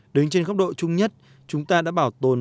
đứng trên góc độ chung nhất chúng ta đã bảo tồn